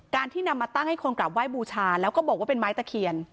ที่นำมาตั้งให้คนกลับไห้บูชาแล้วก็บอกว่าเป็นไม้ตะเคียน